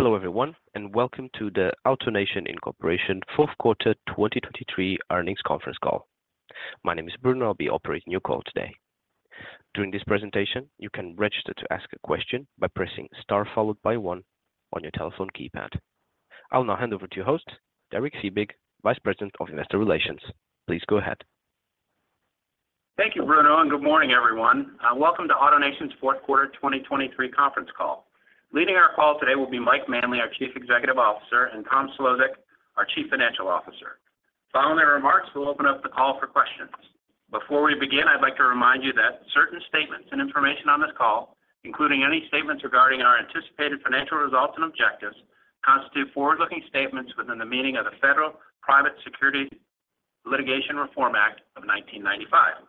Hello everyone, and welcome to the AutoNation Inc. Q4 2023 earnings conference call. My name is Bruno and I'll be operating your call today. During this presentation, you can register to ask a question by pressing * followed by 1 on your telephone keypad. I'll now hand over to your host, Derek Fiebig, Vice President of Investor Relations. Please go ahead. Thank you, Bruno, and good morning everyone. Welcome to AutoNation's Q4 2023 conference call. Leading our call today will be Mike Manley, our Chief Executive Officer, and Tom Szlosek, our Chief Financial Officer. Following their remarks, we'll open up the call for questions. Before we begin, I'd like to remind you that certain statements and information on this call, including any statements regarding our anticipated financial results and objectives, constitute forward-looking statements within the meaning of the Federal Private Security Litigation Reform Act of 1995.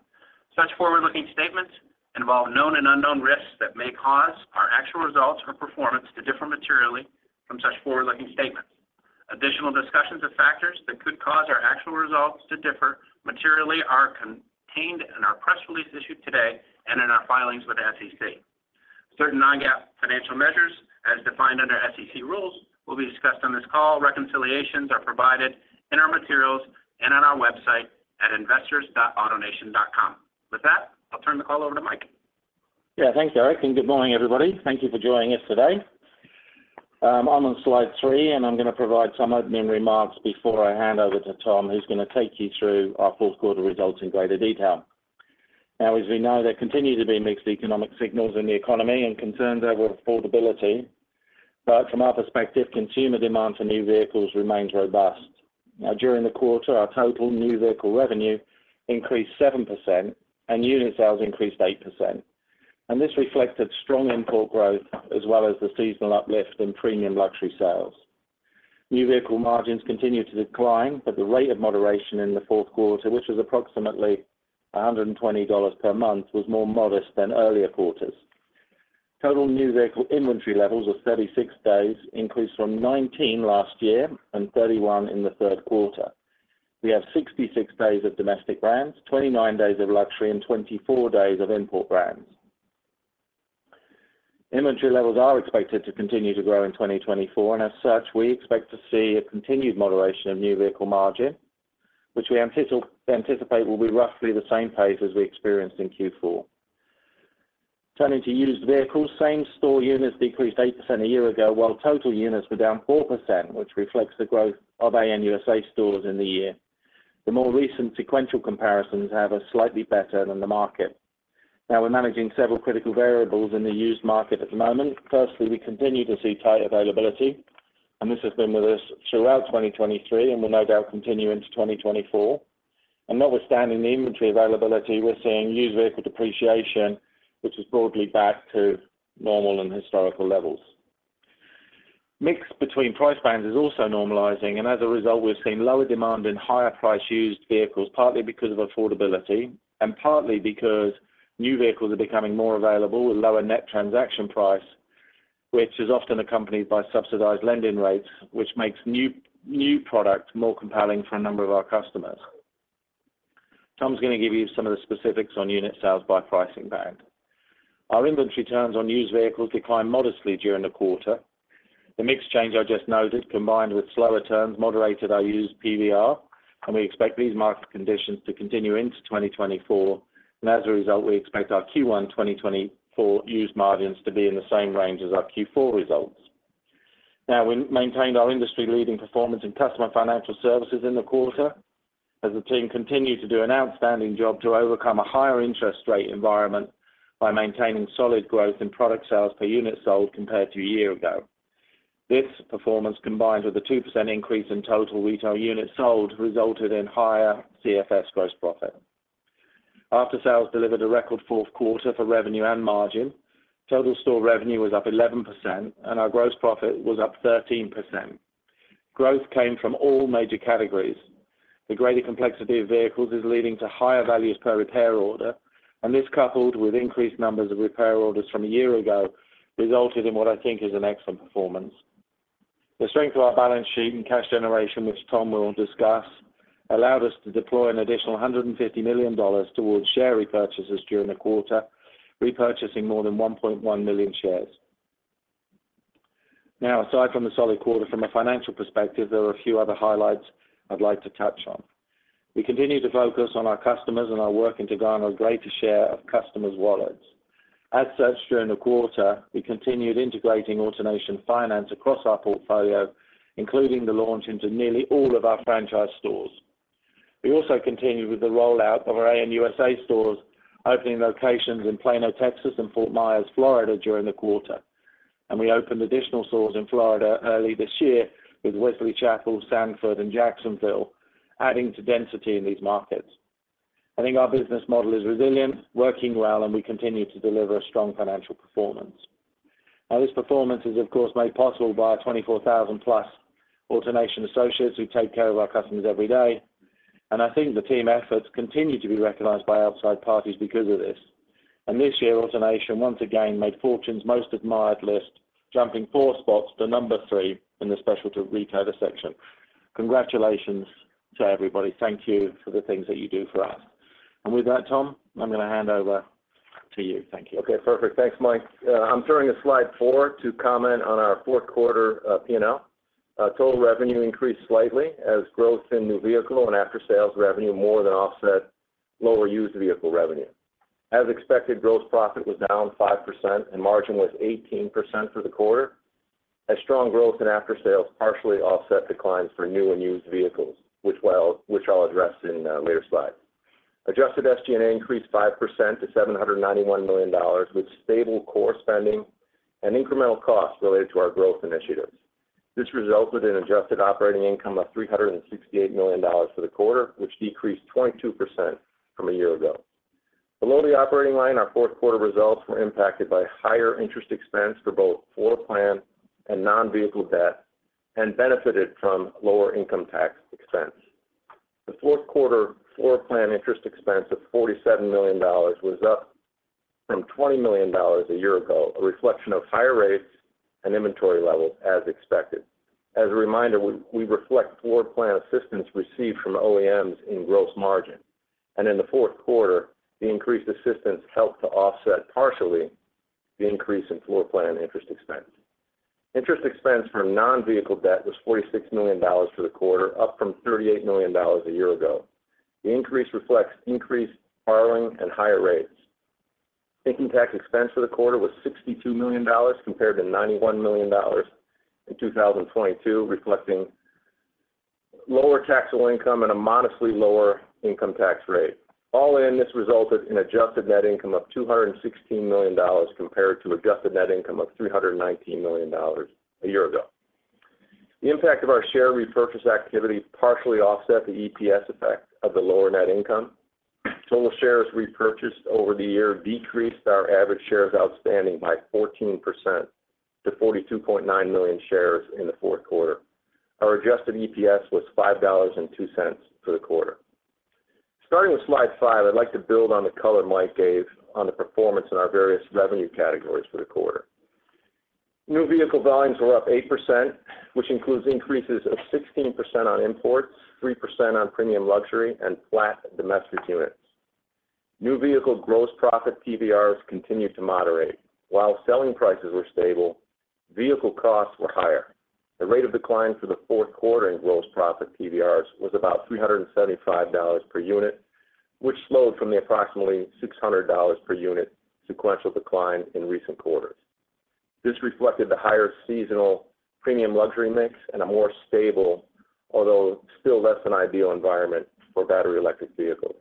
Such forward-looking statements involve known and unknown risks that may cause our actual results or performance to differ materially from such forward-looking statements. Additional discussions of factors that could cause our actual results to differ materially are contained in our press release issued today and in our filings with the SEC. Certain non-GAAP financial measures, as defined under SEC rules, will be discussed on this call. Reconciliations are provided in our materials and on our website at investors.autonation.com. With that, I'll turn the call over to Mike. Yeah, thanks, Derek, and good morning everybody. Thank you for joining us today. I'm on slide 3, and I'm going to provide some opening remarks before I hand over to Tom, who's going to take you through our Q4 results in greater detail. Now, as we know, there continue to be mixed economic signals in the economy and concerns over affordability, but from our perspective, consumer demand for new vehicles remains robust. Now, during the quarter, our total new vehicle revenue increased 7% and unit sales increased 8%, and this reflected strong import growth as well as the seasonal uplift in premium luxury sales. New vehicle margins continue to decline, but the rate of moderation in the Q4, which was approximately $120 per month, was more modest than earlier quarters. Total new vehicle inventory levels of 36 days increased from 19 last year and 31 in the Q3. We have 66 days of domestic brands, 29 days of luxury, and 24 days of import brands. Inventory levels are expected to continue to grow in 2024, and as such, we expect to see a continued moderation of new vehicle margin, which we anticipate will be roughly the same pace as we experienced in Q4. Turning to used vehicles, same store units decreased 8% a year ago, while total units were down 4%, which reflects the growth of ANUSA stores in the year. The more recent sequential comparisons have a slightly better than the market. Now, we're managing several critical variables in the used market at the moment. Firstly, we continue to see tight availability, and this has been with us throughout 2023 and will no doubt continue into 2024. Notwithstanding the inventory availability, we're seeing used vehicle depreciation, which is broadly back to normal and historical levels. Mix between price bands is also normalizing, and as a result, we've seen lower demand and higher price used vehicles, partly because of affordability and partly because new vehicles are becoming more available with lower net transaction price, which is often accompanied by subsidized lending rates, which makes new products more compelling for a number of our customers. Tom's going to give you some of the specifics on unit sales by pricing band. Our inventory turns on used vehicles decline modestly during the quarter. The mix change I just noted, combined with slower turns, moderated our used PVR, and we expect these market conditions to continue into 2024. As a result, we expect our Q1 2024 used margins to be in the same range as our Q4 results. Now, we maintained our industry leading performance in customer financial services in the quarter as the team continued to do an outstanding job to overcome a higher interest rate environment by maintaining solid growth in product sales per unit sold compared to a year ago. This performance, combined with a 2% increase in total retail units sold, resulted in higher CFS Gross Profit. After-sales delivered a record Q4 for revenue and margin, total store revenue was up 11% and our gross profit was up 13%. Growth came from all major categories. The greater complexity of vehicles is leading to higher values per repair order, and this coupled with increased numbers of repair orders from a year ago resulted in what I think is an excellent performance. The strength of our balance sheet and cash generation, which Tom will discuss, allowed us to deploy an additional $150 million towards share repurchases during the quarter, repurchasing more than 1.1 million shares. Now, aside from the solid quarter, from a financial perspective, there are a few other highlights I'd like to touch on. We continue to focus on our customers and we're working to garner a greater share of customers' wallets. As such, during the quarter, we continued integrating AutoNation Finance across our portfolio, including the launch into nearly all of our franchise stores. We also continued with the rollout of our ANUSA stores, opening locations in Plano, Texas, and Fort Myers, Florida, during the quarter. We opened additional stores in Florida early this year with Wesley Chapel, Sanford, and Jacksonville, adding to density in these markets. I think our business model is resilient, working well, and we continue to deliver a strong financial performance. Now, this performance is, of course, made possible by our 24,000-plus AutoNation associates who take care of our customers every day. And I think the team efforts continue to be recognized by outside parties because of this. And this year, AutoNation once again made Fortune's Most Admired list, jumping 4 spots to number 3 in the specialty retailer section. Congratulations to everybody. Thank you for the things that you do for us. And with that, Tom, I'm going to hand over to you. Thank you. Okay, perfect. Thanks, Mike. I'm turning to slide 4 to comment on our Q4 P&L. Total revenue increased slightly as growth in new vehicle and after-sales revenue more than offset lower used vehicle revenue. As expected, gross profit was down 5% and margin was 18% for the quarter. A strong growth in after-sales partially offset declines for new and used vehicles, which I'll address in later slides. Adjusted SG&A increased 5% to $791 million, with stable core spending and incremental costs related to our growth initiatives. This resulted in adjusted operating income of $368 million for the quarter, which decreased 22% from a year ago. Below the operating line, our Q4 results were impacted by higher interest expense for both floor plan and non-vehicle debt and benefited from lower income tax expense. The Q4 floor plan interest expense of $47 million was up from $20 million a year ago, a reflection of higher rates and inventory levels as expected. As a reminder, we reflect floor plan assistance received from OEMs in gross margin. And in the Q4, the increased assistance helped to offset partially the increase in floor plan interest expense. Interest expense from non-vehicle debt was $46 million for the quarter, up from $38 million a year ago. The increase reflects increased borrowing and higher rates. Income tax expense for the quarter was $62 million compared to $91 million in 2022, reflecting lower taxable income and a modestly lower income tax rate. All in, this resulted in adjusted net income of $216 million compared to adjusted net income of $319 million a year ago. The impact of our share repurchase activity partially offset the EPS effect of the lower net income. Total shares repurchased over the year decreased our average shares outstanding by 14% to 42.9 million shares in the Q4. Our adjusted EPS was $5.02 for the quarter. Starting with slide 5, I'd like to build on the color Mike gave on the performance in our various revenue categories for the quarter. New vehicle volumes were up 8%, which includes increases of 16% on imports, 3% on premium luxury, and flat domestic units. New vehicle gross profit PVRs continued to moderate. While selling prices were stable, vehicle costs were higher. The rate of decline for the Q4 in gross profit PVRs was about $375 per unit, which slowed from the approximately $600 per unit sequential decline in recent quarters. This reflected the higher seasonal premium luxury mix and a more stable, although still less than ideal, environment for battery electric vehicles.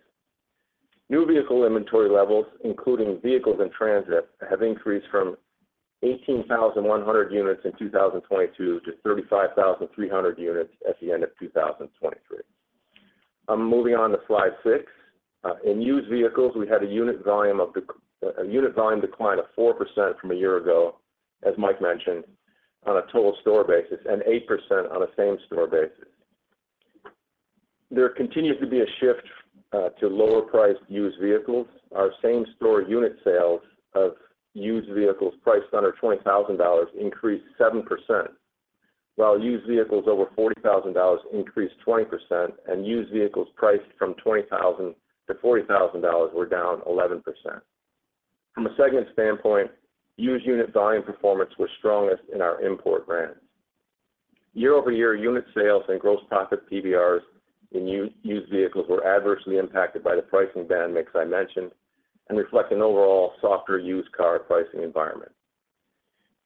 New vehicle inventory levels, including vehicles in transit, have increased from 18,100 units in 2022 to 35,300 units at the end of 2023. Moving on to slide 6. In used vehicles, we had a unit volume decline of 4% from a year ago, as Mike mentioned, on a total store basis and 8% on a same-store basis. There continues to be a shift to lower-priced used vehicles. Our same-store unit sales of used vehicles priced under $20,000 increased 7%, while used vehicles over $40,000 increased 20%, and used vehicles priced from $20,000-$40,000 were down 11%. From a segment standpoint, used unit volume performance was strongest in our import brands. Year-over-year, unit sales and gross profit PVRs in used vehicles were adversely impacted by the pricing band mix I mentioned and reflect an overall softer used car pricing environment.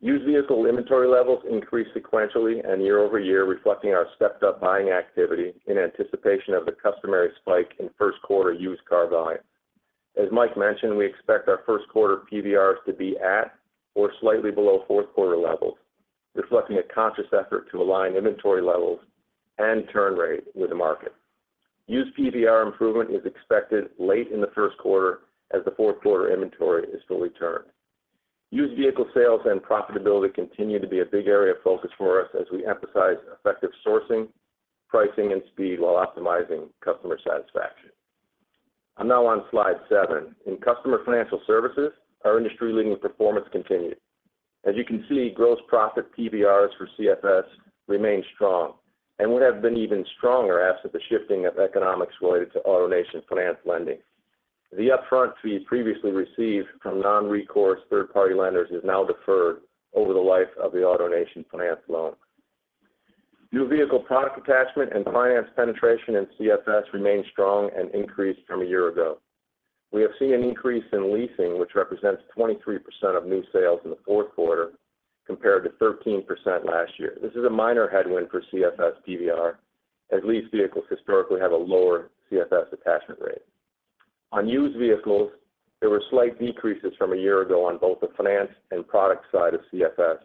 Used vehicle inventory levels increased sequentially and year-over-year, reflecting our stepped-up buying activity in anticipation of the customary spike in Q1 used car volumes. As Mike mentioned, we expect our Q1 PVRs to be at or slightly below Q4 levels, reflecting a conscious effort to align inventory levels and turn rate with the market. Used PVR improvement is expected late in the Q1 as the Q4 inventory is fully turned. Used vehicle sales and profitability continue to be a big area of focus for us as we emphasize effective sourcing, pricing, and speed while optimizing customer satisfaction. I'm now on slide seven. In customer financial services, our industry-leading performance continued. As you can see, gross profit PVRs for CFS remain strong and would have been even stronger absent the shifting of economics related to AutoNation Finance lending. The upfront fee previously received from non-recourse third-party lenders is now deferred over the life of the AutoNation Finance loan. New vehicle product attachment and finance penetration in CFS remain strong and increased from a year ago. We have seen an increase in leasing, which represents 23% of new sales in the Q4 compared to 13% last year. This is a minor headwind for CFS PVR, as leased vehicles historically have a lower CFS attachment rate. On used vehicles, there were slight decreases from a year ago on both the finance and product side of CFS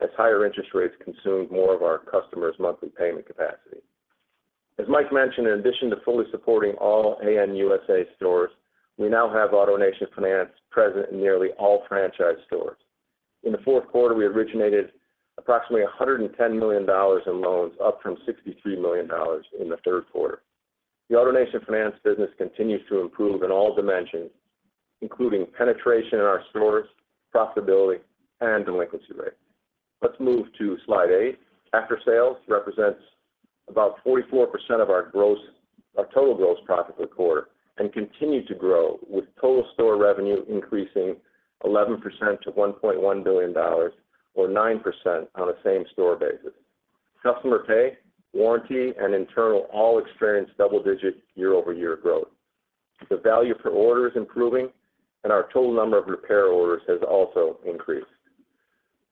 as higher interest rates consumed more of our customers' monthly payment capacity. As Mike mentioned, in addition to fully supporting all ANUSA stores, we now have AutoNation Finance present in nearly all franchise stores. In the Q4, we originated approximately $110 million in loans, up from $63 million in the Q3. The AutoNation Finance business continues to improve in all dimensions, including penetration in our stores, profitability, and delinquency rates. Let's move to slide 8. After-sales represents about 44% of our total gross profit for the quarter and continued to grow, with total store revenue increasing 11% to $1.1 billion, or 9% on a same-store basis. Customer pay, warranty, and internal all experience double-digit year-over-year growth. The value per order is improving, and our total number of repair orders has also increased.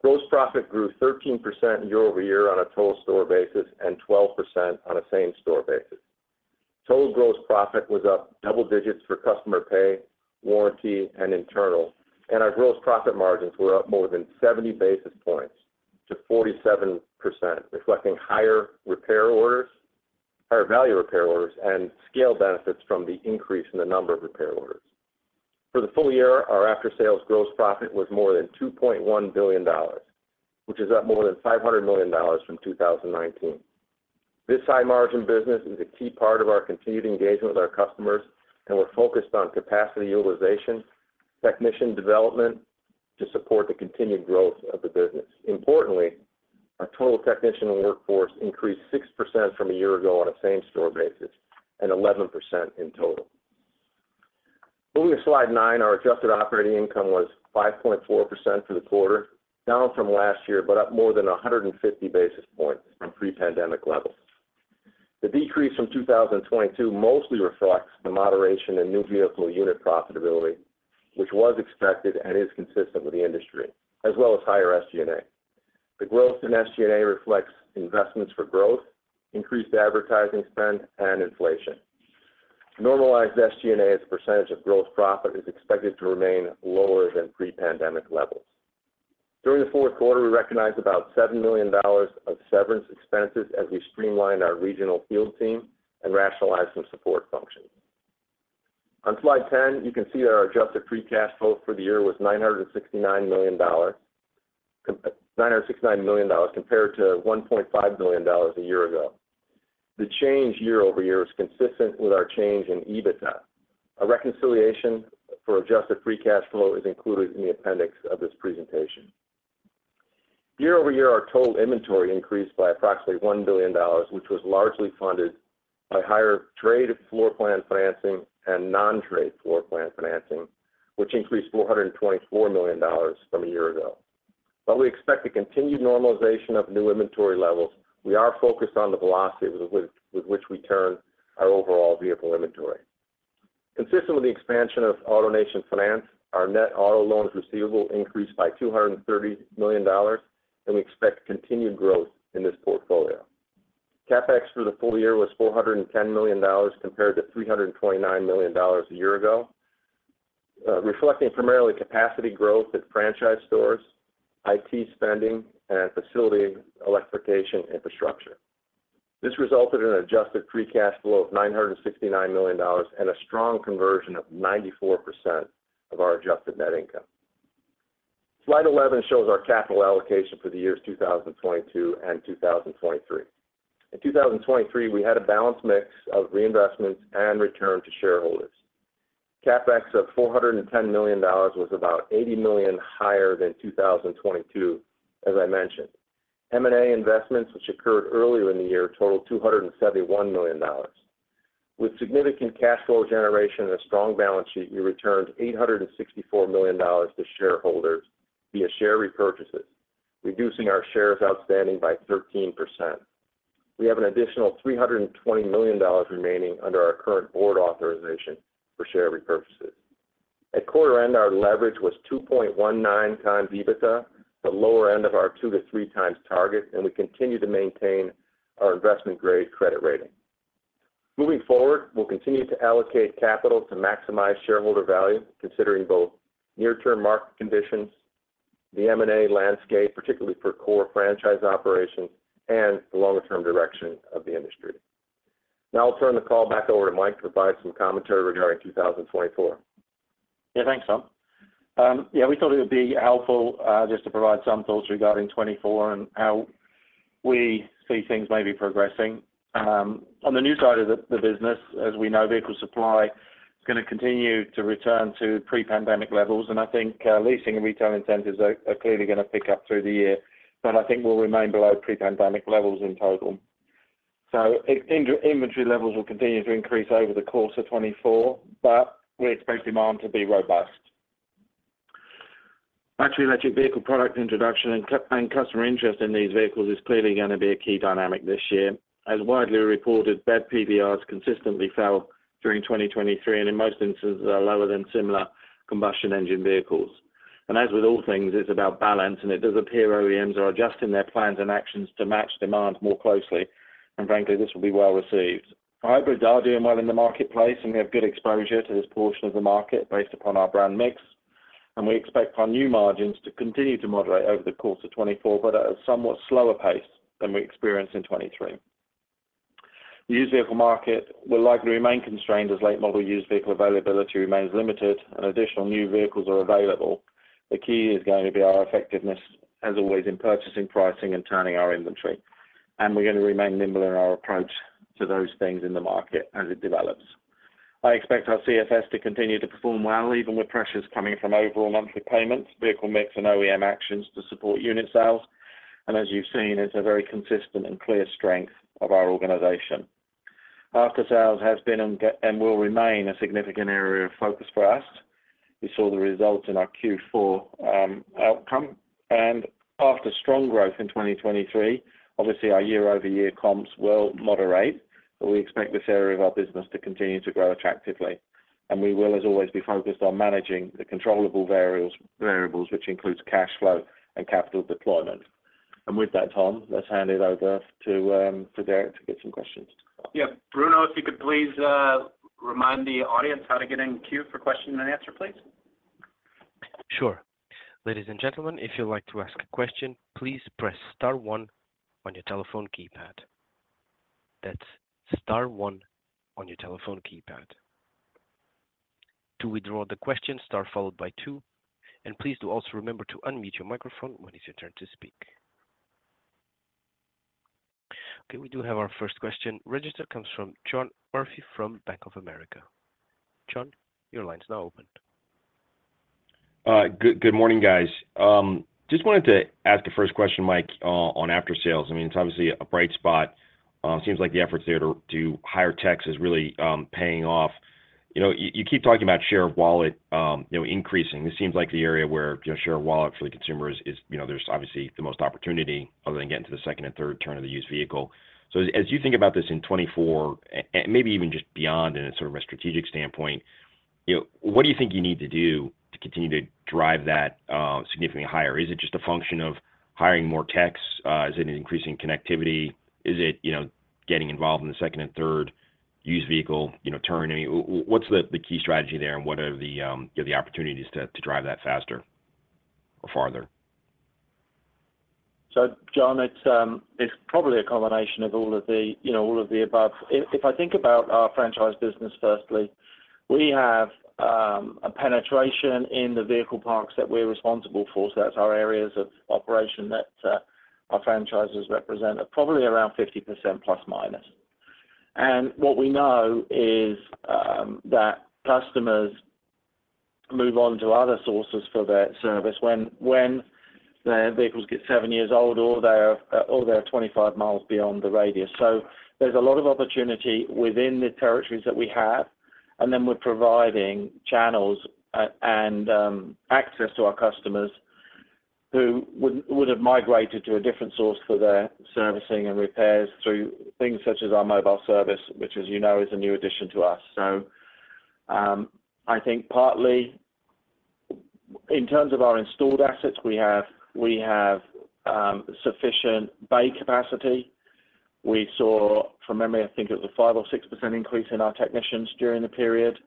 Gross profit grew 13% year-over-year on a total-store basis and 12% on a same-store basis. Total gross profit was up double digits for customer pay, warranty, and internal, and our gross profit margins were up more than 70 basis points to 47%, reflecting higher value repair orders and scale benefits from the increase in the number of repair orders. For the full year, our after-sales gross profit was more than $2.1 billion, which is up more than $500 million from 2019. This high-margin business is a key part of our continued engagement with our customers, and we're focused on capacity utilization, technician development to support the continued growth of the business. Importantly, our total technician workforce increased 6% from a year ago on a same-store basis and 11% in total. Moving to slide 9, our adjusted operating income was 5.4% for the quarter, down from last year but up more than 150 basis points from pre-pandemic levels. The decrease from 2022 mostly reflects the moderation in new vehicle unit profitability, which was expected and is consistent with the industry, as well as higher SG&A. The growth in SG&A reflects investments for growth, increased advertising spend, and inflation. Normalized SG&A as a percentage of gross profit is expected to remain lower than pre-pandemic levels. During the Q4, we recognized about $7 million of severance expenses as we streamlined our regional field team and rationalized some support functions. On slide 10, you can see that our adjusted pre-cash flow for the year was $969 million compared to $1.5 billion a year ago. The change year-over-year was consistent with our change in EBITDA. A reconciliation for adjusted pre-cash flow is included in the appendix of this presentation. Year-over-year, our total inventory increased by approximately $1 billion, which was largely funded by higher trade floor plan financing and non-trade floor plan financing, which increased $424 million from a year ago. While we expect a continued normalization of new inventory levels, we are focused on the velocity with which we turn our overall vehicle inventory. Consistent with the expansion of AutoNation Finance, our net auto loans receivable increased by $230 million, and we expect continued growth in this portfolio. CapEx for the full year was $410 million compared to $329 million a year ago, reflecting primarily capacity growth at franchise stores, IT spending, and facility electrification infrastructure. This resulted in an adjusted free cash flow of $969 million and a strong conversion of 94% of our adjusted net income. Slide 11 shows our capital allocation for the years 2022 and 2023. In 2023, we had a balanced mix of reinvestments and return to shareholders. CapEx of $410 million was about $80 million higher than 2022, as I mentioned. M&A investments, which occurred earlier in the year, totaled $271 million. With significant cash flow generation and a strong balance sheet, we returned $864 million to shareholders via share repurchases, reducing our shares outstanding by 13%. We have an additional $320 million remaining under our current board authorization for share repurchases. At quarter-end, our leverage was 2.19x EBITDA, the lower end of our two to 3x target, and we continue to maintain our investment-grade credit rating. Moving forward, we'll continue to allocate capital to maximize shareholder value, considering both near-term market conditions, the M&A landscape, particularly for core franchise operations, and the longer-term direction of the industry. Now I'll turn the call back over to Mike to provide some commentary regarding 2024. Yeah, thanks, Tom. Yeah, we thought it would be helpful just to provide some thoughts regarding 2024 and how we see things maybe progressing. On the new side of the business, as we know, vehicle supply is going to continue to return to pre-pandemic levels, and I think leasing and retail incentives are clearly going to pick up through the year, but I think we'll remain below pre-pandemic levels in total. So inventory levels will continue to increase over the course of 2024, but we expect demand to be robust. Battery electric vehicle product introduction and customer interest in these vehicles is clearly going to be a key dynamic this year. As widely reported, BEV PVRs consistently fell during 2023, and in most instances, they're lower than similar combustion engine vehicles. As with all things, it's about balance, and it does appear OEMs are adjusting their plans and actions to match demand more closely, and frankly, this will be well received. Hybrids are doing well in the marketplace, and we have good exposure to this portion of the market based upon our brand mix, and we expect our new margins to continue to moderate over the course of 2024, but at a somewhat slower pace than we experienced in 2023. The used vehicle market will likely remain constrained as late-model used vehicle availability remains limited, and additional new vehicles are available. The key is going to be our effectiveness, as always, in purchasing pricing and turning our inventory, and we're going to remain nimble in our approach to those things in the market as it develops. I expect our CFS to continue to perform well, even with pressures coming from overall monthly payments, vehicle mix, and OEM actions to support unit sales, and as you've seen, it's a very consistent and clear strength of our organization. After-sales has been and will remain a significant area of focus for us. We saw the results in our Q4 outcome, and after strong growth in 2023, obviously, our year-over-year comps will moderate, but we expect this area of our business to continue to grow attractively, and we will, as always, be focused on managing the controllable variables, which includes cash flow and capital deployment. And with that, Tom, let's hand it over to Derek to get some questions. Yeah. Bruno, if you could please remind the audience how to get in queue for question and answer, please. Sure. Ladies and gentlemen, if you'd like to ask a question, please press star one on your telephone keypad. That's star one on your telephone keypad. To withdraw the question, star followed by two, and please do also remember to unmute your microphone when it's your turn to speak. Okay, we do have our first question. The question comes from John Murphy from Bank of America. John, your line's now open. Good morning, guys. Just wanted to ask a first question, Mike, on after-sales. I mean, it's obviously a bright spot. Seems like the efforts there to hire techs is really paying off. You keep talking about share of wallet increasing. This seems like the area where share of wallet for the consumer is, there's obviously the most opportunity other than getting to the second and third turn of the used vehicle. So as you think about this in 2024, and maybe even just beyond in sort of a strategic standpoint, what do you think you need to do to continue to drive that significantly higher? Is it just a function of hiring more techs? Is it an increasing connectivity? Is it getting involved in the second and third used vehicle turn? I mean, what's the key strategy there, and what are the opportunities to drive that faster or farther? So John, it's probably a combination of all of the above. If I think about our franchise business, firstly, we have a penetration in the vehicle parks that we're responsible for, so that's our areas of operation that our franchises represent, of probably around 50% plus-minus. What we know is that customers move on to other sources for their service when their vehicles get seven years old or they're 25 miles beyond the radius. There's a lot of opportunity within the territories that we have, and then we're providing channels and access to our customers who would have migrated to a different source for their servicing and repairs through things such as our mobile service, which, as you know, is a new addition to us. I think partly, in terms of our installed assets, we have sufficient bay capacity. We saw, from memory, I think it was a 5%-6% increase in our technicians during the period.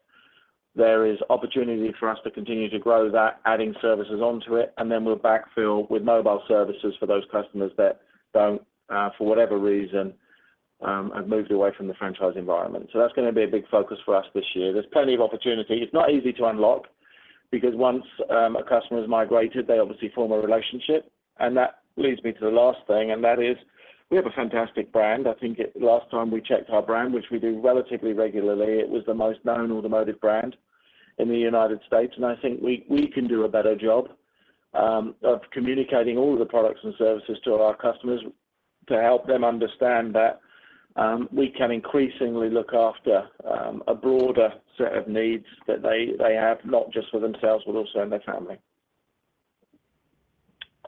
There is opportunity for us to continue to grow that, adding services onto it, and then we'll backfill with mobile services for those customers that don't, for whatever reason, have moved away from the franchise environment. So that's going to be a big focus for us this year. There's plenty of opportunity. It's not easy to unlock because once a customer has migrated, they obviously form a relationship. And that leads me to the last thing, and that is we have a fantastic brand. I think last time we checked our brand, which we do relatively regularly, it was the most known automotive brand in the United States, and I think we can do a better job of communicating all of the products and services to our customers to help them understand that we can increasingly look after a broader set of needs that they have, not just for themselves, but also in their family.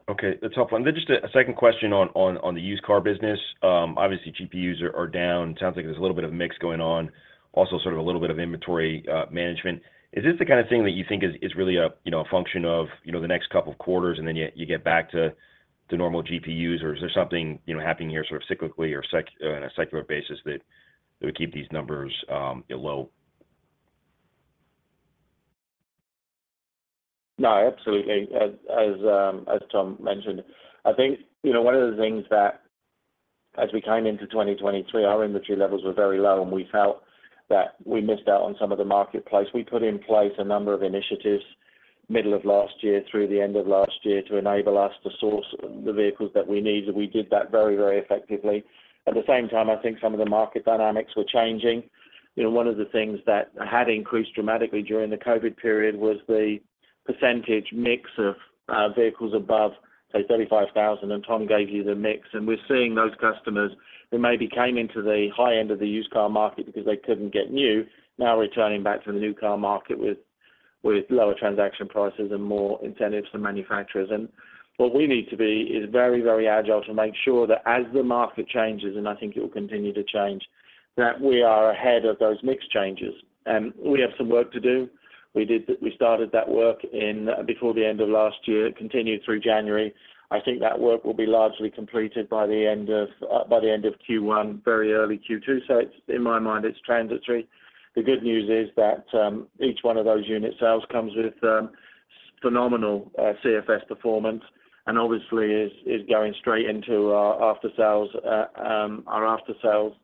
Okay, that's helpful. And then just a second question on the used car business. Obviously, GPUs are down. Sounds like there's a little bit of mix going on, also sort of a little bit of inventory management. Is this the kind of thing that you think is really a function of the next couple of quarters, and then you get back to normal GPUs, or is there something happening here sort of cyclically or on a secular basis that would keep these numbers low? No, absolutely. As Tom mentioned, I think one of the things that as we came into 2023, our inventory levels were very low, and we felt that we missed out on some of the marketplace. We put in place a number of initiatives middle of last year, through the end of last year, to enable us to source the vehicles that we need, and we did that very, very effectively. At the same time, I think some of the market dynamics were changing. One of the things that had increased dramatically during the COVID period was the percentage mix of vehicles above, say, 35,000, and Tom gave you the mix, and we're seeing those customers who maybe came into the high end of the used car market because they couldn't get new now returning back to the new car market with lower transaction prices and more incentives from manufacturers. And what we need to be is very, very agile to make sure that as the market changes, and I think it will continue to change, that we are ahead of those mix changes. And we have some work to do. We started that work before the end of last year, continued through January. I think that work will be largely completed by the end of Q1, very early Q2, so in my mind, it's transitory. The good news is that each one of those unit sales comes with phenomenal CFS performance and obviously is going straight into our after-sales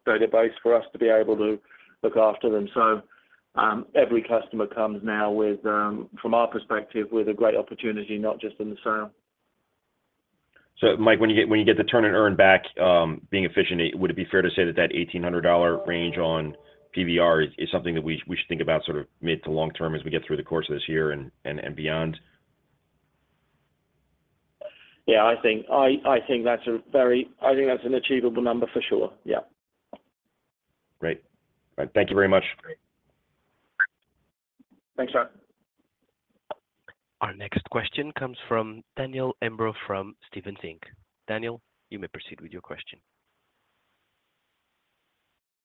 database for us to be able to look after them. So every customer comes now, from our perspective, with a great opportunity, not just in the sale. So Mike, when you get the turn and earn back being efficient, would it be fair to say that that $1,800 range on PVR is something that we should think about sort of mid- to long-term as we get through the course of this year and beyond? Yeah, I think that's a very I think that's an achievable number for sure. Yeah. Great. All right. Thank you very much. Thanks, John. Our next question comes from Daniel Imbro from Stephens Inc. Daniel, you may proceed with your question.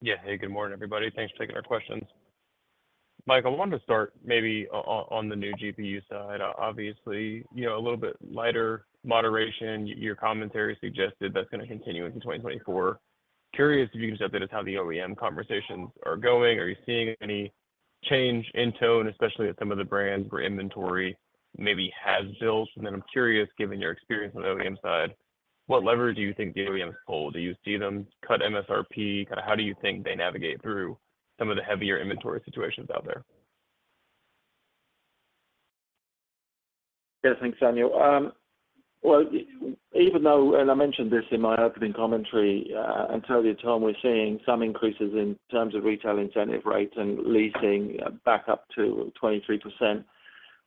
Yeah. Hey, good morning, everybody. Thanks for taking our questions. Mike, I wanted to start maybe on the new vehicle side. Obviously, a little bit lighter moderation. Your commentary suggested that's going to continue into 2024. Curious if you can just update us how the OEM conversations are going. Are you seeing any change in tone, especially at some of the brands where inventory maybe has built? And then I'm curious, given your experience on the OEM side, what leverage do you think the OEMs pull? Do you see them cut MSRP? Kind of how do you think they navigate through some of the heavier inventory situations out there? Yeah, thanks, Daniel. Well, even though, and I mentioned this in my opening commentary. Until the time we're seeing some increases in terms of retail incentive rates and leasing back up to 23%,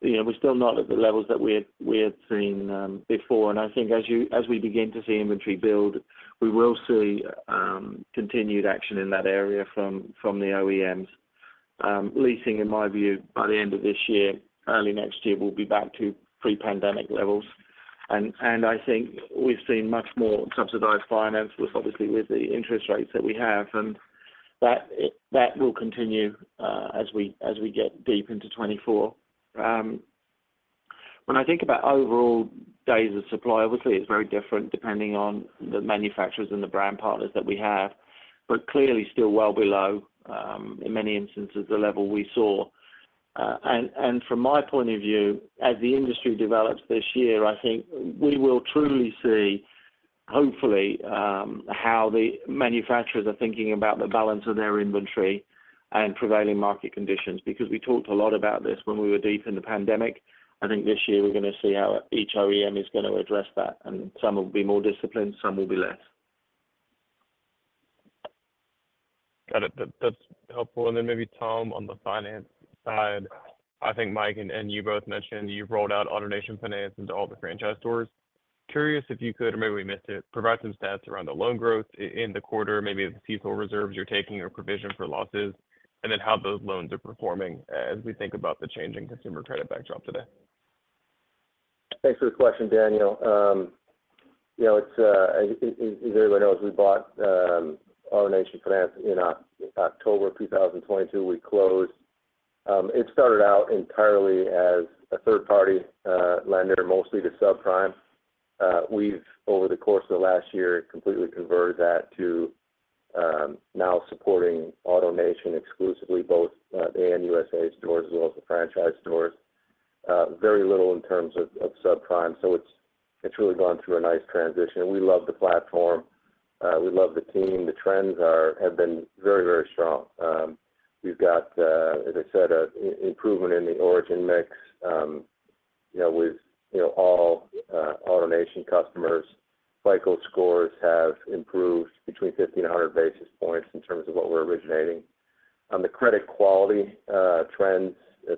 we're still not at the levels that we had seen before. And I think as we begin to see inventory build, we will see continued action in that area from the OEMs. Leasing, in my view, by the end of this year, early next year, will be back to pre-pandemic levels. And I think we've seen much more subsidized finance, obviously, with the interest rates that we have, and that will continue as we get deep into 2024. When I think about overall days of supply, obviously, it's very different depending on the manufacturers and the brand partners that we have, but clearly still well below, in many instances, the level we saw. And from my point of view, as the industry develops this year, I think we will truly see, hopefully, how the manufacturers are thinking about the balance of their inventory and prevailing market conditions because we talked a lot about this when we were deep in the pandemic. I think this year we're going to see how each OEM is going to address that, and some will be more disciplined, some will be less. Got it. That's helpful. And then maybe, Tom, on the finance side, I think Mike and you both mentioned you've rolled out AutoNation Finance into all the franchise stores. Curious if you could, or maybe we missed it, provide some stats around the loan growth in the quarter, maybe the CFO reserves you're taking or provision for losses, and then how those loans are performing as we think about the changing consumer credit backdrop today. Thanks for the question, Daniel. As everybody knows, we bought AutoNation Finance in October 2022. We closed. It started out entirely as a third-party lender, mostly to subprime. We've, over the course of the last year, completely converted that to now supporting AutoNation exclusively, both the ANUSA stores as well as the franchise stores. Very little in terms of subprime, so it's really gone through a nice transition. We love the platform. We love the team. The trends have been very, very strong. We've got, as I said, improvement in the origin mix with all AutoNation customers. FICO scores have improved between 15 and 100 basis points in terms of what we're originating. The credit quality trends,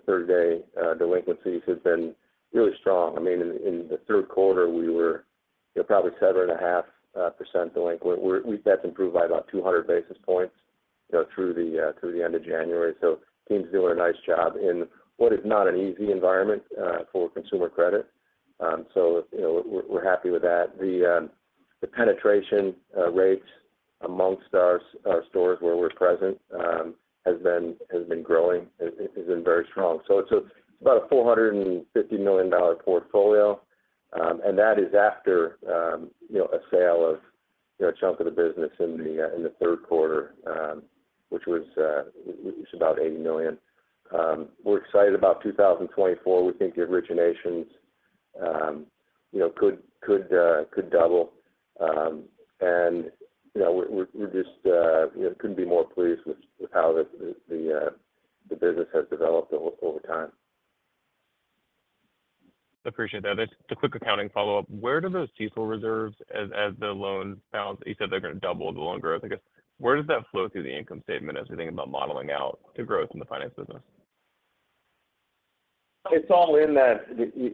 30-day delinquencies, have been really strong. I mean, in the Q3, we were probably 7.5% delinquent. That's improved by about 200 basis points through the end of January. So teams are doing a nice job in what is not an easy environment for consumer credit, so we're happy with that. The penetration rates amongst our stores where we're present has been growing, has been very strong. So it's about a $450 million portfolio, and that is after a sale of a chunk of the business in the Q3, which was about $80 million. We're excited about 2024. We think the originations could double, and we just couldn't be more pleased with how the business has developed over time. Appreciate that. The quick accounting follow-up, where do those CFO reserves, as the loan balance you said they're going to double the loan growth, I guess. Where does that flow through the income statement as we think about modeling out to growth in the finance business? It's all in that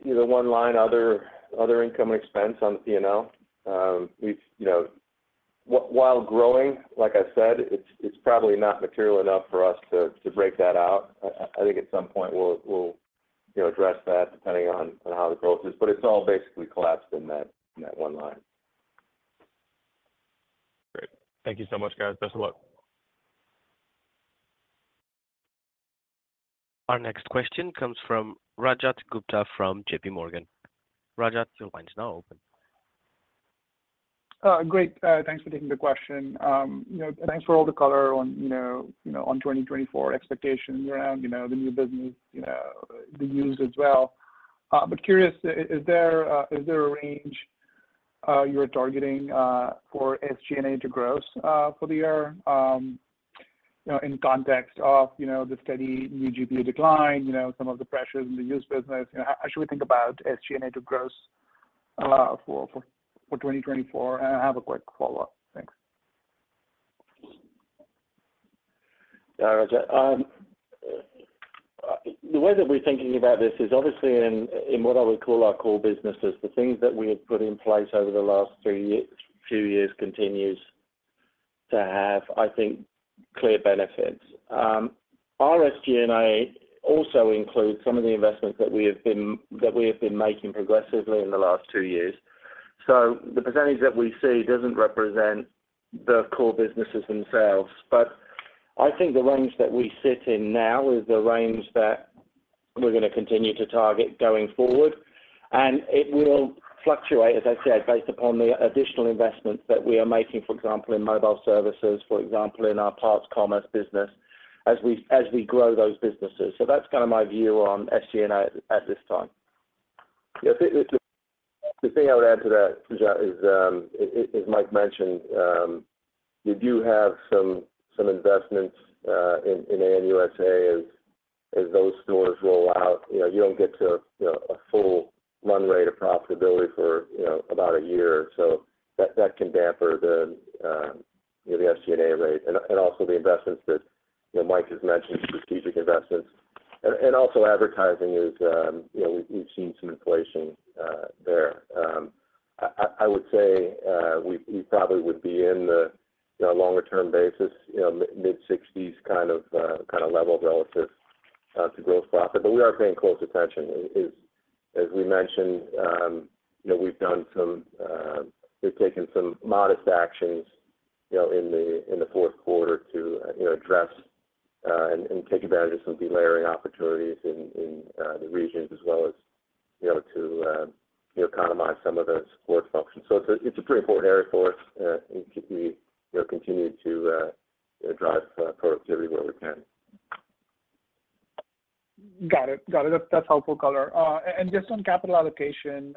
either one line other income and expense on the P&L. While growing, like I said, it's probably not material enough for us to break that out. I think at some point, we'll address that depending on how the growth is, but it's all basically collapsed in that one line. Great. Thank you so much, guys. Best of luck. Our next question comes from Rajat Gupta from JPMorgan. Rajat, your line's now open. Great. Thanks for taking the question. Thanks for all the color on 2024 expectations around the new business, the used as well. But curious, is there a range you're targeting for SG&A to gross for the year in context of the steady new GPU decline, some of the pressures in the used business? How should we think about SG&A to gross for 2024? And I have a quick follow-up. Thanks. Yeah, Rajat. The way that we're thinking about this is obviously in what I would call our core businesses, the things that we have put in place over the last few years continues to have, I think, clear benefits. Our SG&A also includes some of the investments that we have been making progressively in the last two years. So the percentage that we see doesn't represent the core businesses themselves, but I think the range that we sit in now is the range that we're going to continue to target going forward, and it will fluctuate, as I said, based upon the additional investments that we are making, for example, in mobile services, for example, in our parts commerce business as we grow those businesses. So that's kind of my view on SG&A at this time. The thing I would add to that, as Mike mentioned, we do have some investments in ANUSA as those stores roll out. You don't get to a full run rate of profitability for about a year, so that can dampen the SG&A rate and also the investments that Mike has mentioned, strategic investments. And also advertising, as we've seen some inflation there. I would say we probably would be in the longer-term basis, mid-60s kind of level relative to gross profit, but we are paying close attention. As we mentioned, we've taken some modest actions in the Q4 to address and take advantage of some delayering opportunities in the regions as well as to economize some of the support functions. So it's a pretty important area for us. We continue to drive productivity where we can. Got it. Got it. That's helpful color. Just on capital allocation,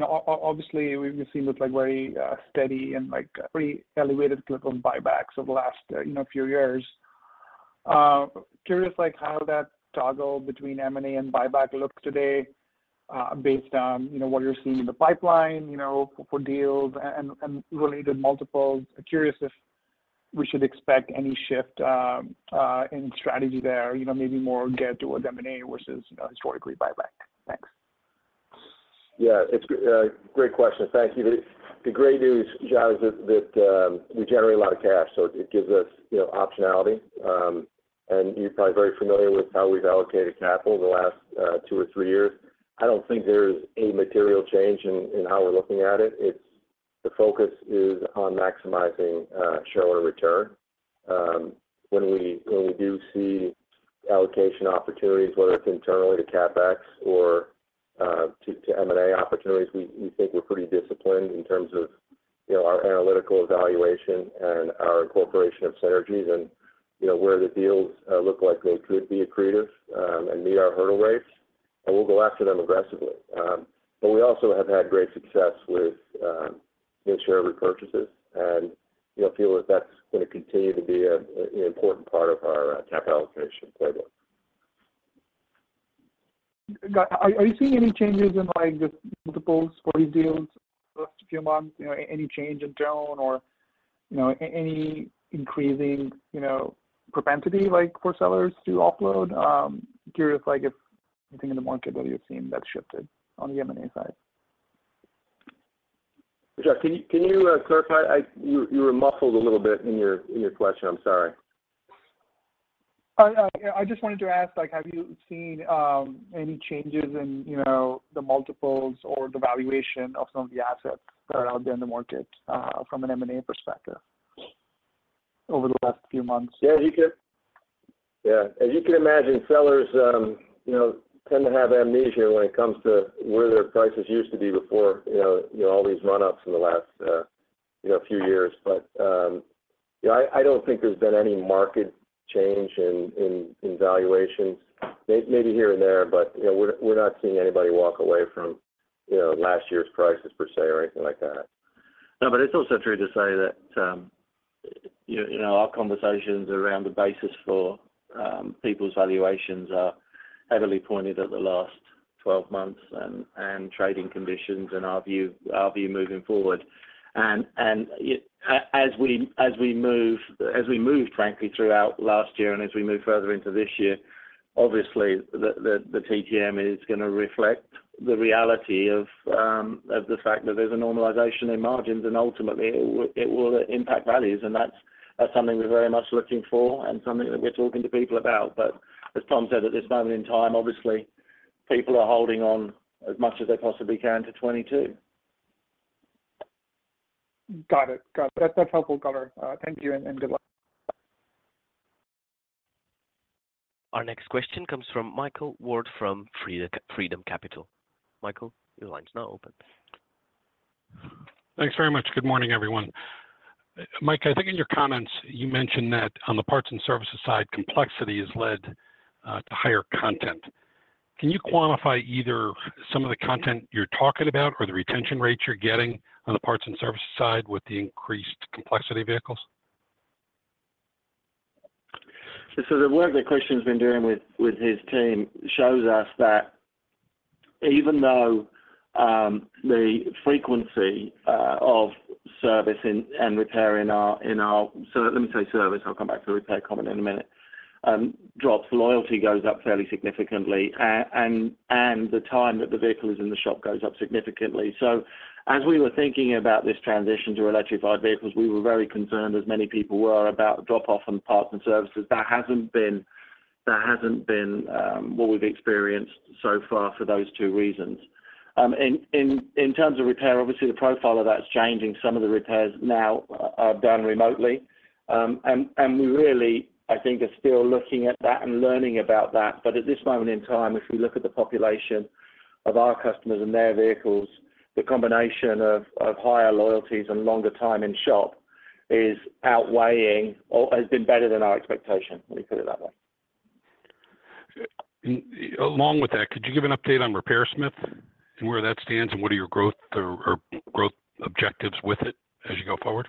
obviously, we've seen what's very steady and pretty elevated clip of buybacks over the last few years. Curious how that toggle between M&A and buyback looks today based on what you're seeing in the pipeline for deals and related multiples. Curious if we should expect any shift in strategy there, maybe more get to an M&A versus historically buyback. Thanks. Yeah, it's a great question. Thank you. The great news, John, is that we generate a lot of cash, so it gives us optionality. You're probably very familiar with how we've allocated capital the last two or three years. I don't think there is a material change in how we're looking at it. The focus is on maximizing shareholder return. When we do see allocation opportunities, whether it's internally to CapEx or to M&A opportunities, we think we're pretty disciplined in terms of our analytical evaluation and our incorporation of synergies and where the deals look like they could be accretive and meet our hurdle rates, and we'll go after them aggressively. But we also have had great success with shareholder purchases and feel that that's going to continue to be an important part of our capital allocation playbook. Are you seeing any changes in just multiples for these deals the last few months? Any change in tone or any increasing propensity for sellers to offload? Curious if anything in the market that you've seen that's shifted on the M&A side. John, can you clarify? You were muffled a little bit in your question. I'm sorry. I just wanted to ask, have you seen any changes in the multiples or the valuation of some of the assets that are out there in the market from an M&A perspective over the last few months? Yeah, as you can imagine, sellers tend to have amnesia when it comes to where their prices used to be before all these run-ups in the last few years. But I don't think there's been any market change in valuations, maybe here and there, but we're not seeing anybody walk away from last year's prices per se or anything like that. No, but it's also true to say that our conversations around the basis for people's valuations are heavily pointed at the last 12 months and trading conditions and our view moving forward. And as we move, frankly, throughout last year and as we move further into this year, obviously, the TTM is going to reflect the reality of the fact that there's a normalization in margins, and ultimately, it will impact values, and that's something we're very much looking for and something that we're talking to people about. But as Tom said, at this moment in time, obviously, people are holding on as much as they possibly can to 2022. Got it. Got it. That's helpful color. Thank you and good luck. Our next question comes from Michael Ward from Freedom Capital Markets. Michael, your line's now open. Thanks very much. Good morning, everyone. Mike, I think in your comments, you mentioned that on the parts and services side, complexity has led to higher content. Can you quantify either some of the content you're talking about or the retention rates you're getting on the parts and services side with the increased complexity vehicles? So the work that Christian's been doing with his team shows us that even though the frequency of service and repair in our so let me say service. I'll come back to repair in a minute. Drops. Loyalty goes up fairly significantly, and the time that the vehicle is in the shop goes up significantly. So as we were thinking about this transition to electrified vehicles, we were very concerned, as many people were, about drop-off on parts and services. That hasn't been what we've experienced so far for those two reasons. In terms of repair, obviously, the profile of that's changing. Some of the repairs now are done remotely, and we really, I think, are still looking at that and learning about that. But at this moment in time, if we look at the population of our customers and their vehicles, the combination of higher loyalties and longer time in shop has been better than our expectation, let me put it that way. Along with that, could you give an update on RepairSmith and where that stands and what are your growth objectives with it as you go forward?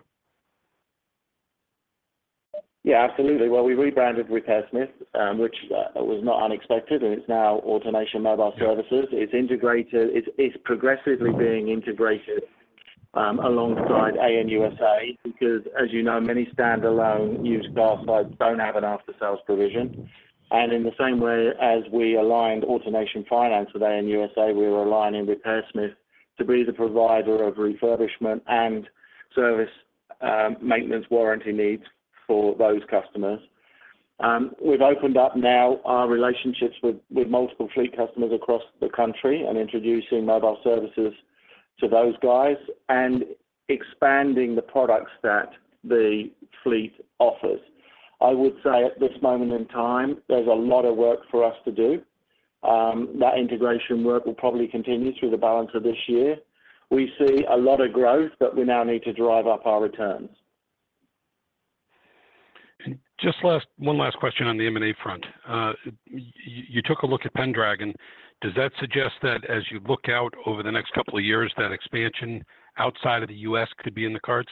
Yeah, absolutely. Well, we rebranded RepairSmith, which was not unexpected, and it's now AutoNation Mobile Services. It's progressively being integrated alongside ANUSA because, as you know, many standalone used car sites don't have an after-sales provision. In the same way as we aligned AutoNation Finance with ANUSA, we were aligning RepairSmith to be the provider of refurbishment and service maintenance warranty needs for those customers. We've opened up now our relationships with multiple fleet customers across the country and introducing mobile services to those guys and expanding the products that the fleet offers. I would say at this moment in time, there's a lot of work for us to do. That integration work will probably continue through the balance of this year. We see a lot of growth, but we now need to drive up our returns. Just one last question on the M&A front. You took a look at Pendragon. Does that suggest that as you look out over the next couple of years, that expansion outside of the U.S. could be in the cards?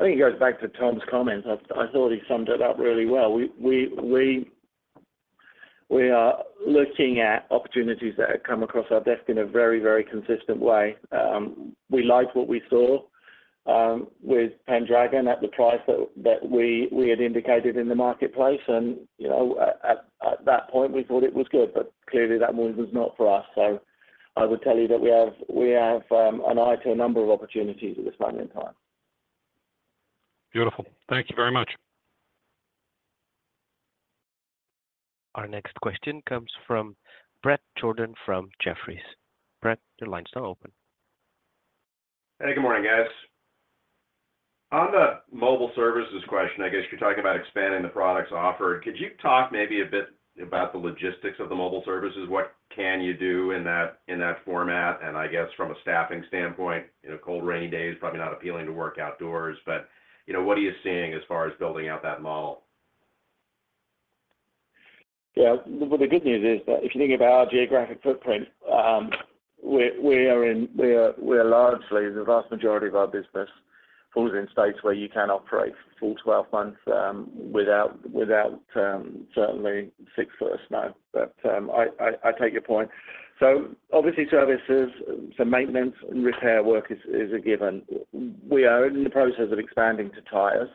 I think it goes back to Tom's comments. I thought he summed it up really well. We are looking at opportunities that come across our desk in a very, very consistent way. We liked what we saw with Pendragon at the price that we had indicated in the marketplace, and at that point, we thought it was good, but clearly, that one was not for us. So I would tell you that we have an eye to a number of opportunities at this moment in time. Beautiful. Thank you very much. Our next question comes from Bret Jordan from Jefferies. Brett, your line's now open. Hey, good morning, guys. On the mobile services question, I guess you're talking about expanding the products offered. Could you talk maybe a bit about the logistics of the mobile services? What can you do in that format? And I guess from a staffing standpoint, cold, rainy days probably not appealing to work outdoors, but what are you seeing as far as building out that model? Yeah, well, the good news is that if you think about our geographic footprint, we are largely the vast majority of our business falls in states where you can operate full 12 months without certainly snow first, no. But I take your point. So obviously, services, so maintenance and repair work is a given. We are in the process of expanding to tires.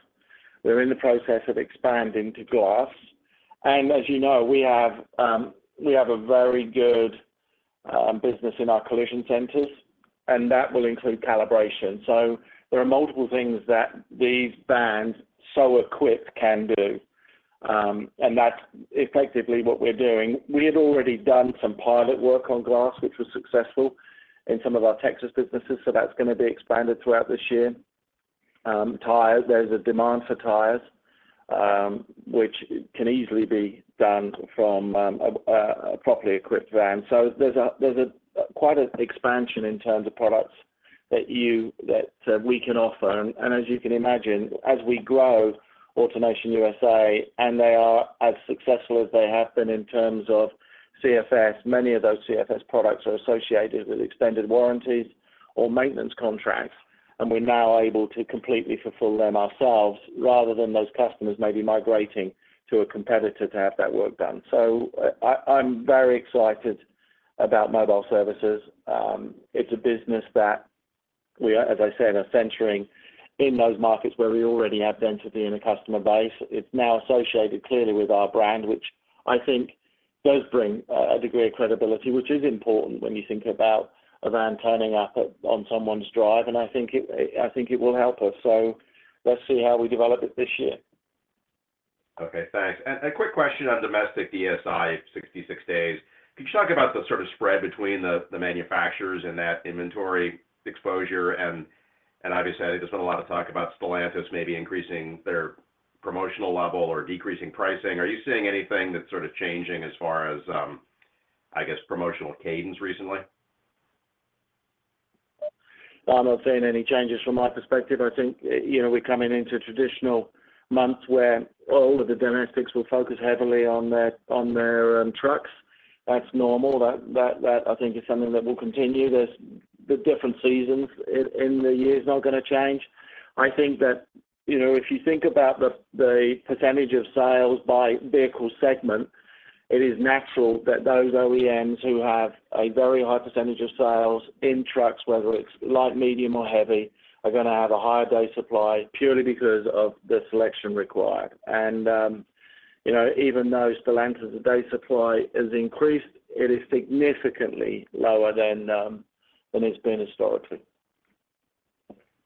We're in the process of expanding to glass. And as you know, we have a very good business in our collision centers, and that will include calibration. So there are multiple things that these vans so equipped can do, and that's effectively what we're doing. We had already done some pilot work on glass, which was successful in some of our Texas businesses, so that's going to be expanded throughout this year. There's a demand for tires, which can easily be done from a properly equipped van. So there's quite an expansion in terms of products that we can offer. And as you can imagine, as we grow AutoNation USA and they are as successful as they have been in terms of CFS, many of those CFS products are associated with extended warranties or maintenance contracts, and we're now able to completely fulfill them ourselves rather than those customers maybe migrating to a competitor to have that work done. So I'm very excited about mobile services. It's a business that we, as I said, are centering in those markets where we already have density in a customer base. It's now associated clearly with our brand, which I think does bring a degree of credibility, which is important when you think about a van turning up on someone's drive, and I think it will help us. So let's see how we develop it this year. Okay. Thanks. And a quick question on domestic DSI, 66 days. Could you talk about the sort of spread between the manufacturers and that inventory exposure? And obviously, I think there's been a lot of talk about Stellantis maybe increasing their promotional level or decreasing pricing. Are you seeing anything that's sort of changing as far as, I guess, promotional cadence recently? I'm not seeing any changes from my perspective. I think we're coming into traditional months where all of the domestics will focus heavily on their trucks. That's normal. That, I think, is something that will continue. The different seasons in the year's not going to change. I think that if you think about the percentage of sales by vehicle segment, it is natural that those OEMs who have a very high percentage of sales in trucks, whether it's light, medium, or heavy, are going to have a higher day supply purely because of the selection required. And even though Stellantis' day supply has increased, it is significantly lower than it's been historically.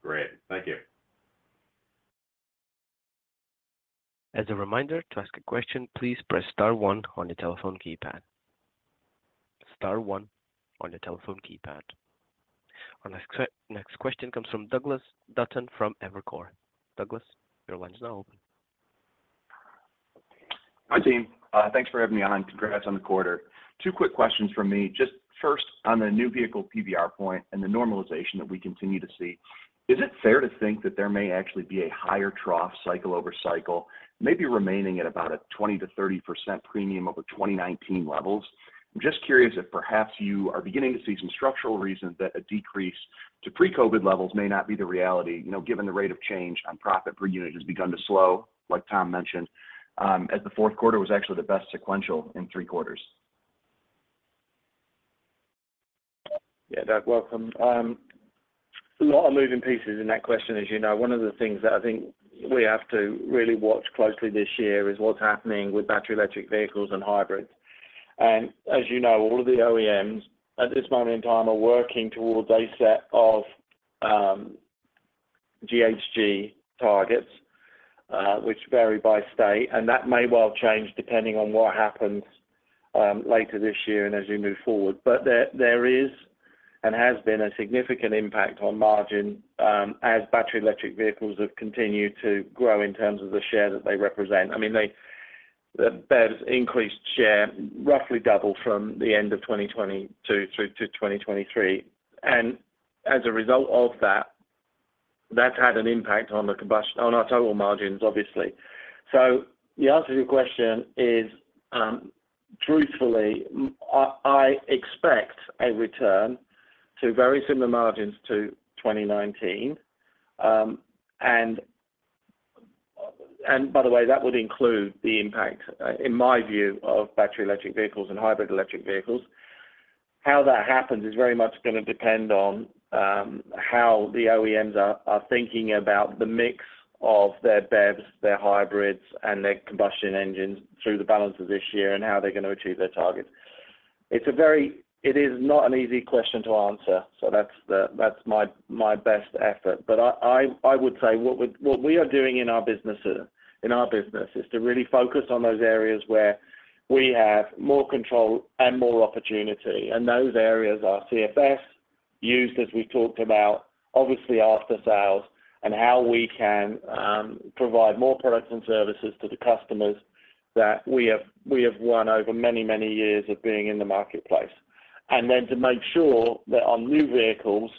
Great. Thank you. As a reminder, to ask a question, please press star 1 on your telephone keypad. Star 1 on your telephone keypad. Our next question comes from Douglas Dutton from Evercore. Douglas, your line's now open. Hi, team. Thanks for having me on. Congrats on the quarter. Two quick questions from me. Just first, on the new vehicle PVR point and the normalisation that we continue to see, is it fair to think that there may actually be a higher trough cycle over cycle, maybe remaining at about a 20%-30% premium over 2019 levels? I'm just curious if perhaps you are beginning to see some structural reasons that a decrease to pre-COVID levels may not be the reality given the rate of change on profit per unit has begun to slow, like Tom mentioned, as the Q4. was actually the best sequential in three quarters. Yeah, Doug, welcome. A lot of moving pieces in that question. As you know, one of the things that I think we have to really watch closely this year is what's happening with battery-electric vehicles and hybrids. And as you know, all of the OEMs at this moment in time are working towards a set of GHG targets, which vary by state, and that may well change depending on what happens later this year and as you move forward. But there is and has been a significant impact on margin as battery-electric vehicles have continued to grow in terms of the share that they represent. I mean, their increased share roughly doubled from the end of 2022 through to 2023. And as a result of that, that's had an impact on our total margins, obviously. So the answer to your question is, truthfully, I expect a return to very similar margins to 2019. And by the way, that would include the impact, in my view, of battery-electric vehicles and hybrid-electric vehicles. How that happens is very much going to depend on how the OEMs are thinking about the mix of their BEVs, their hybrids, and their combustion engines through the balances this year and how they're going to achieve their targets. It is not an easy question to answer, so that's my best effort. But I would say what we are doing in our business is to really focus on those areas where we have more control and more opportunity. And those areas are CFS, used as we've talked about, obviously, after sales, and how we can provide more products and services to the customers that we have won over many, many years of being in the marketplace. To make sure that on new vehicles,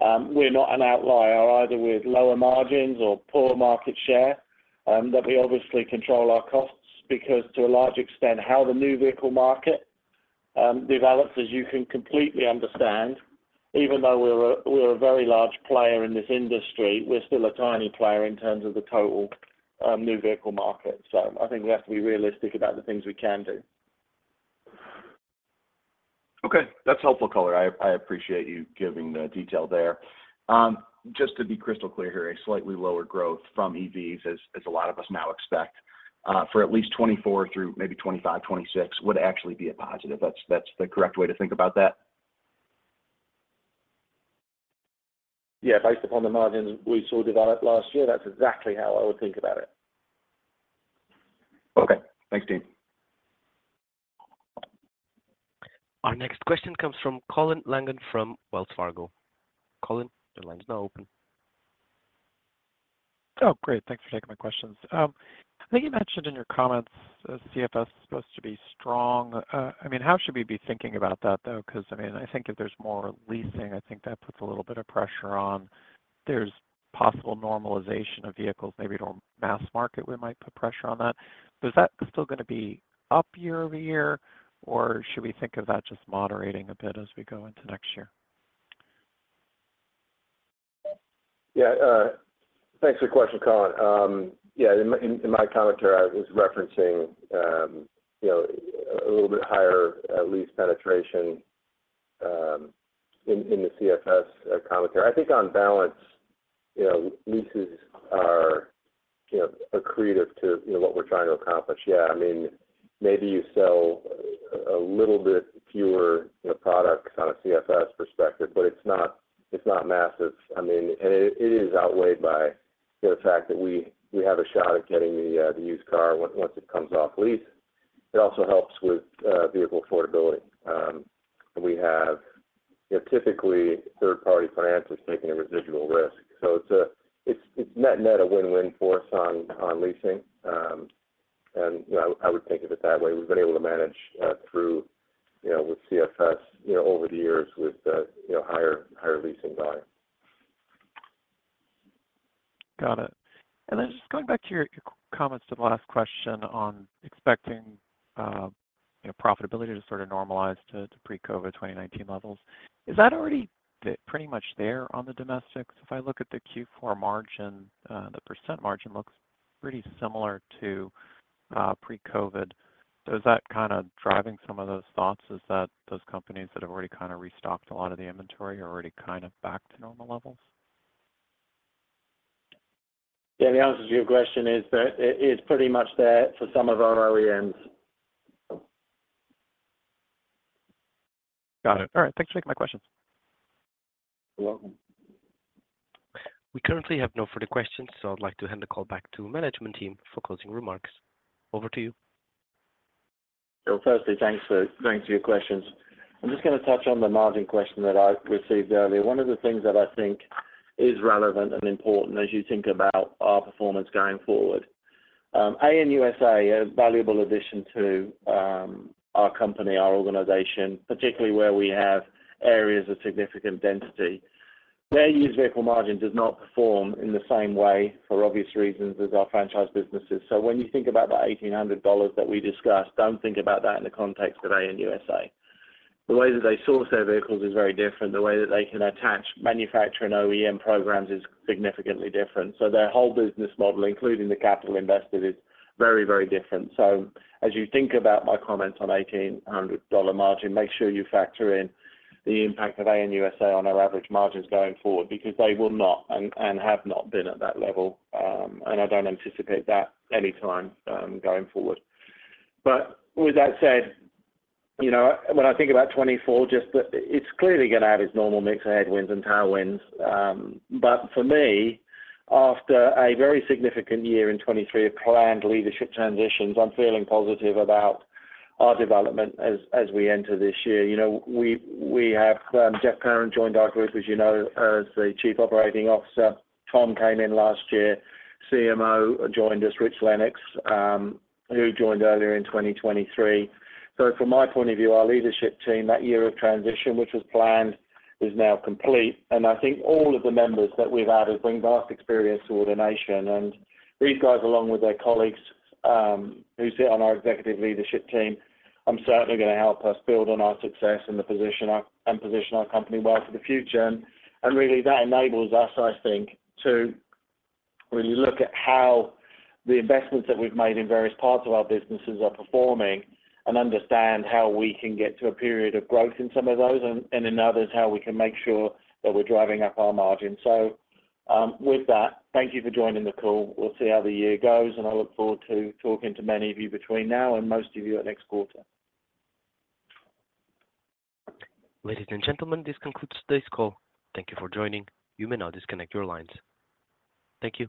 we're not an outlier either with lower margins or poor market share, that we obviously control our costs because, to a large extent, how the new vehicle market develops, as you can completely understand, even though we're a very large player in this industry, we're still a tiny player in terms of the total new vehicle market. So I think we have to be realistic about the things we can do. Okay. That's helpful color. I appreciate you giving the detail there. Just to be crystal clear here, a slightly lower growth from EVs, as a lot of us now expect, for at least 2024 through maybe 2025, 2026 would actually be a positive. That's the correct way to think about that? Yeah, based upon the margins we saw develop last year, that's exactly how I would think about it. Okay. Thanks, team. Our next question comes from Colin Langan from Wells Fargo. Colin, your line's now open. Oh, great. Thanks for taking my questions. I think you mentioned in your comments CFS is supposed to be strong. I mean, how should we be thinking about that, though? Because, I mean, I think if there's more leasing, I think that puts a little bit of pressure on. There's possible normalization of vehicles, maybe to a mass market, we might put pressure on that. But is that still going to be up year-over-year, or should we think of that just moderating a bit as we go into next year? Yeah. Thanks for the question, Colin. Yeah, in my commentary, I was referencing a little bit higher lease penetration in the CFS commentary. I think on balance, leases are accretive to what we're trying to accomplish. Yeah, I mean, maybe you sell a little bit fewer products on a CFS perspective, but it's not massive. I mean, and it is outweighed by the fact that we have a shot at getting the used car once it comes off lease. It also helps with vehicle affordability. And we have typically third-party financers taking a residual risk. So it's net-net a win-win for us on leasing, and I would think of it that way. We've been able to manage through with CFS over the years with higher leasing volume. Got it. And then just going back to your comments to the last question on expecting profitability to sort of normalize to pre-COVID 2019 levels, is that already pretty much there on the domestics? If I look at the Q4 margin, the % margin looks pretty similar to pre-COVID. So is that kind of driving some of those thoughts? Is that those companies that have already kind of restocked a lot of the inventory are already kind of back to normal levels? Yeah, the answer to your question is that it is pretty much there for some of our OEMs. Got it. All right. Thanks for taking my questions. You're welcome. We currently have no further questions, so I'd like to hand the call back to the management team for closing remarks. Over to you. Well, firstly, thanks for going through your questions. I'm just going to touch on the margin question that I received earlier. One of the things that I think is relevant and important as you think about our performance going forward. ANUSA, a valuable addition to our company, our organization, particularly where we have areas of significant density, their used vehicle margin does not perform in the same way for obvious reasons as our franchise businesses. So when you think about the $1,800 that we discussed, don't think about that in the context of ANUSA. The way that they source their vehicles is very different. The way that they can attach manufacturer and OEM programs is significantly different. So their whole business model, including the capital invested, is very, very different. So as you think about my comments on $1,800 margin, make sure you factor in the impact of ANUSA on our average margins going forward because they will not and have not been at that level, and I don't anticipate that anytime going forward. But with that said, when I think about 2024, it's clearly going to have its normal mix of headwinds and tailwinds. But for me, after a very significant year in 2023 of planned leadership transitions, I'm feeling positive about our development as we enter this year. We have Jeff Parent joined our group, as you know, as the Chief Operating Officer. Tom came in last year. CMO joined us, Rich Lennox, who joined earlier in 2023. So from my point of view, our leadership team, that year of transition which was planned is now complete. I think all of the members that we've added bring vast experience to AutoNation. These guys, along with their colleagues who sit on our executive leadership team, are certainly going to help us build on our success and position our company well for the future. Really, that enables us, I think, to really look at how the investments that we've made in various parts of our businesses are performing and understand how we can get to a period of growth in some of those and in others how we can make sure that we're driving up our margins. So with that, thank you for joining the call. We'll see how the year goes, and I look forward to talking to many of you between now and most of you at next quarter. Ladies and gentlemen, this concludes today's call. Thank you for joining. You may now disconnect your lines. Thank you.